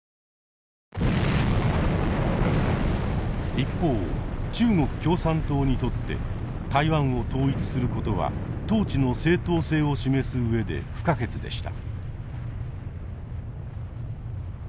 一方中国共産党にとって台湾を統一することは統治の正統性を示す上で不可欠でした。